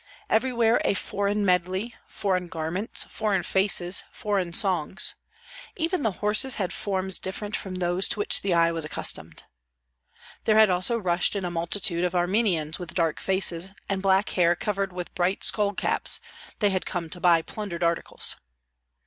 Everywhere a foreign medley, foreign garments, foreign faces, foreign songs. Even the horses had forms different from those to which the eye was accustomed. There had also rushed in a multitude of Armenians with dark faces, and black hair covered with bright skull caps; they had come to buy plundered articles.